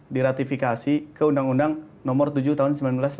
diratifikasi ke undang undang nomor tujuh tahun seribu sembilan ratus sembilan puluh